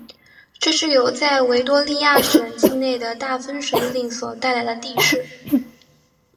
这是由在维多利亚省境内的大分水岭所带来的地势。